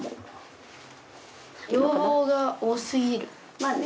まあね。